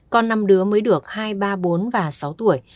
con năm đứa mới được hai ba bốn và sáu tuổi